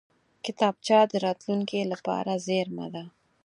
کتابچه د راتلونکې لپاره زېرمه ده